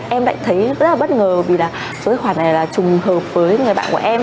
em lại thấy rất là bất ngờ vì là số tài khoản này là trùng hợp với người bạn của em